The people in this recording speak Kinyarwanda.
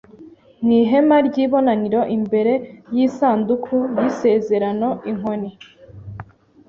mu ihema ry ibonaniro imbere y isanduku y isezerano Inkoni